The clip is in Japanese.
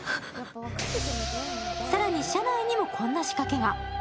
更に車内にもこんな仕掛けが。